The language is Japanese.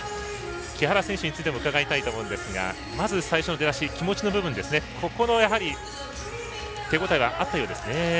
木原選手についても伺いたいと思うんですがまず最初の出足気持ちの部分手応えはあったようですね。